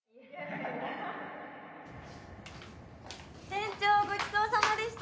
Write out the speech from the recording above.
店長ごちそうさまでした！